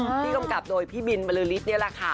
ที่กำกับโดยพี่บินบริษฐ์นี่แหละค่ะ